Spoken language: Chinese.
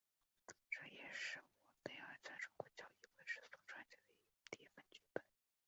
这也是沃雷尔在中国教英文时所撰写的第一份剧本。